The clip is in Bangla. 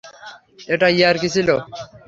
এটা ইয়ার্কি ছিল।